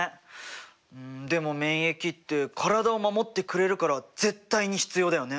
うんでも免疫って体を守ってくれるから絶対に必要だよね。